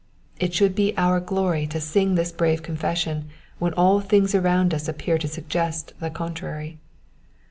It should be our glory to sing this brave confession when all things around us appear to suggest the contrary.